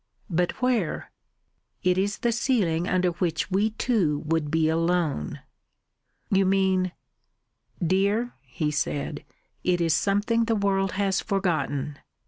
"But where?" "It is the ceiling under which we two would be alone...." "You mean...?" "Dear," he said, "it is something the world has forgotten.